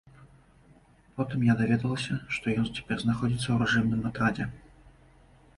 Потым я даведалася, што ён цяпер знаходзіцца ў рэжымным атрадзе.